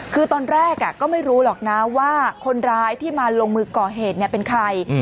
คือตอนแรกก็ไม่รู้หรอกนะว่าคนร้ายที่มาลงมือก่อเหตุเป็นใคร